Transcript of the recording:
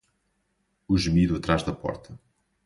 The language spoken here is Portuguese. O gemido atrás da porta